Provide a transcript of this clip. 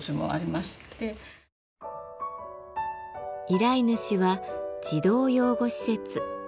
依頼主は児童養護施設。